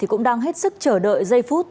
cũng đang hết sức chờ đợi giây phút